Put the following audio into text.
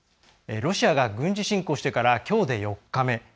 ロシアが軍事侵攻してからきょうで４日目。